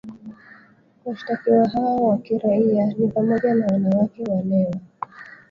Washtakiwa hao wa kiraia ni pamoja na wanawake wanewa